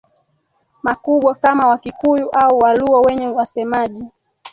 makubwa kama Wakikuyu au Waluo wenye wasemaji